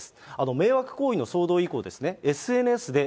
迷惑行為の騒動以降、ＳＮＳで＃